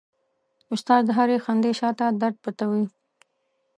استاد د هرې خندې شاته درد پټوي.